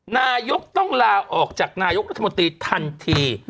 นายกต้องลาออกจากนายกรัฐมนตรีทันที